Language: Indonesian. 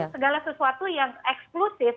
segala sesuatu yang eksklusif